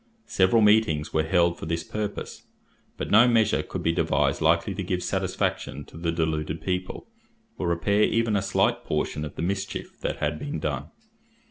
Several meetings were held for this purpose; but no measure could be devised likely to give satisfaction to the deluded people, or repair even a slight portion of the mischief that had been done.